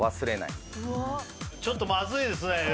ちょっとまずいですね